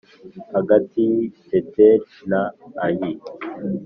hagati y i Beteli na Ayi